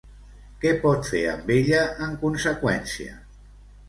Què pot fer amb ella, en conseqüència?